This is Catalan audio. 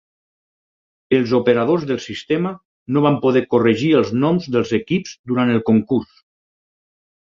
Els operadors del sistema no van poder corregir els noms dels equips durant el concurs.